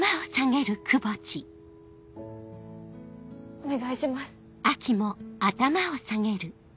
お願いします。